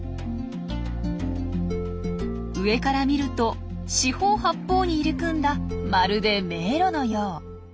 上から見ると四方八方に入り組んだまるで迷路のよう！